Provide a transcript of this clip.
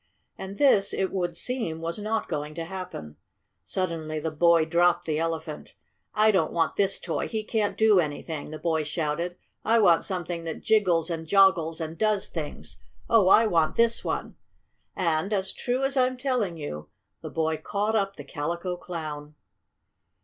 And this, it would seem, was not going to happen. Suddenly the boy dropped the Elephant. "I don't want this toy! He can't do anything!" the boy shouted. "I want something that jiggles and joggles and does things! Oh, I want this one!" and, as true as I'm telling you, that boy caught up the Calico Clown.